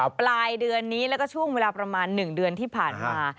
ปลายเดือนนี้แล้วก็ช่วงเวลาประมาณ๑เดือนที่ผ่านมา